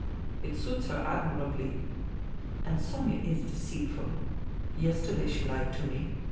It suits her admirably. And Sonia is deceitful. Yester day she lied to me.